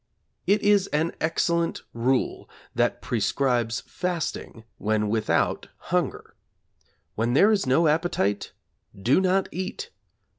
It is an excellent rule that prescribes fasting when without hunger. When there is no appetite do not eat.